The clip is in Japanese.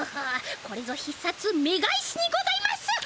これぞひっさつ「め返し」にございます！